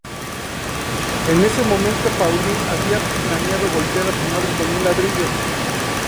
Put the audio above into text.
En ese momento, Pauline había planeado golpear a su madre con un ladrillo.